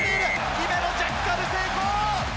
姫野、ジャッカル成功。